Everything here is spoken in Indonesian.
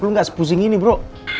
lu gak sepusing ini bro